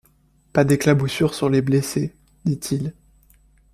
Pas d’éclaboussures sur les blessés, dit-il.